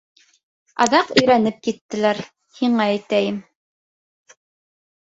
Аҙаҡ өйрәнеп киттеләр, һиңә әйтәйем.